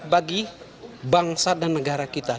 bagi bangsa dan negara kita